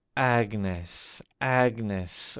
Agnes ! Agnes !